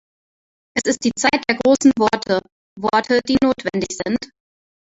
Es ist die Zeit der großen Worte, Worte, die notwendig sind.